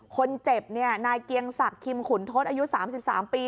คนเจ็บเนี่ยนายเกียงศักดิ์คิมขุนทศอายุ๓๓ปี